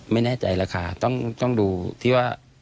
ไม่แน่ใจแหละค่ะต้องดูที่ว่า